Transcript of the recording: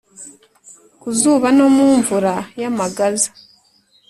Kuzuba no mumvura yamagaza